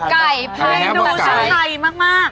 ไก่พันตะไคร้ใก่ดูชาลใคร้มาก